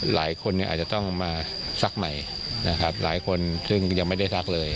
หลายคนเนี่ยอาจจะต้องมาซักใหม่นะครับหลายคนซึ่งยังไม่ได้ซักเลย